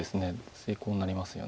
成功になりますよね。